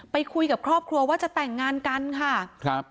ไปคุยกับครอบครัวว่าจะแต่งงานกันค่ะครับ